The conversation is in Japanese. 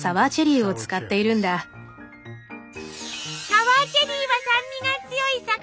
サワーチェリーは酸味が強いさくらんぼ。